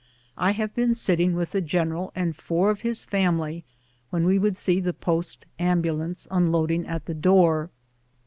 I have been sitting with the general and four of his family, when we would see the post ambulance unloading at the door.